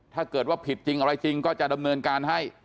ถ้าเกิดว่าผิดจริงอะไรจริงก็จะดำเนินการให้